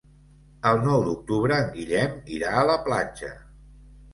El nou d'octubre en Guillem irà a la platja.